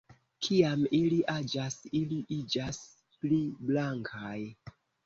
Kiam ili aĝas ili iĝas pli blankaj.